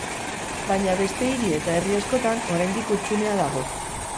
Baina beste hiri eta herri askotan oraindik hutsunea dago.